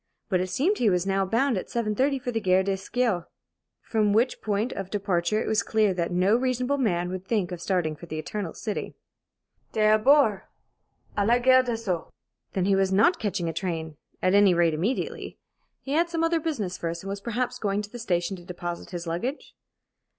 But it seemed he was now bound, at 7.30, for the Gare de Sceaux, from which point of departure it was clear that no reasonable man would think of starting for the Eternal City. "D'abord, à la Gare de Sceaux!" Then he was not catching a train? at any rate, immediately. He had some other business first, and was perhaps going to the station to deposit his luggage?